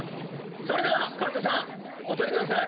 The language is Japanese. それでは神田さんお取りください。